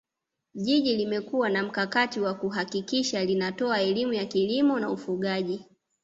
Jiji limekuwa na mkakati wa kuhakikisha linatoa elimu ya kilimo na ufugaji